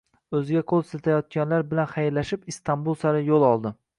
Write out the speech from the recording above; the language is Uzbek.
O'ziga qo'l siltayotganlar bilan xayrlashib, Istanbul sari yo'l oldi.